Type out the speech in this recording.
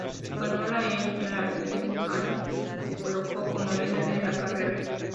Ganó la en La Lejana y se colocó como líder de la carrera.